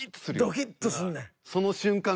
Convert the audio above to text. ドキッとすんねん。